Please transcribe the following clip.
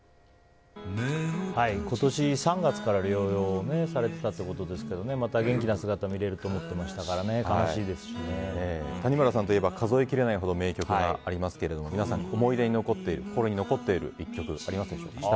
今年３月から療養されていたということですけどまた元気な姿を見れると思ってましたから谷村さんといえば数えきれないほど名曲がありますが皆さん、思い出に残っている曲ありますか？